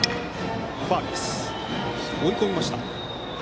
追い込みました。